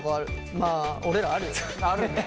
まあ俺らあるよね。